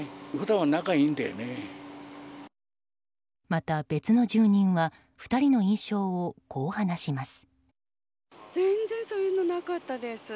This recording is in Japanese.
また別の住人は２人の印象をこう話します。